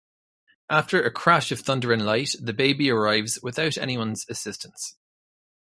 After a crash of thunder and light, the baby arrives without anyone's assistance.